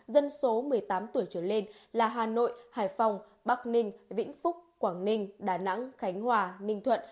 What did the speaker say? dân số một mươi tám tuổi trở lên là hà nội hải phòng bắc ninh vĩnh phúc quảng ninh đà nẵng khánh hòa ninh thuận